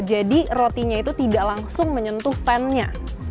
jadi rotinya itu tidak langsung menyentuh pen nya